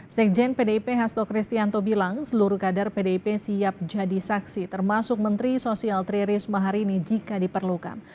sekjen pdip hasno cristianto bilang seluruh kadar pdip siap jadi saksi termasuk menteri sosial tririsma hari ini jika diperlukan